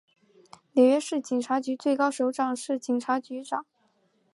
纽约市警察局最高首长是警察局长。